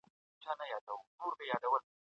ایا ملي بڼوال کاغذي بادام ساتي؟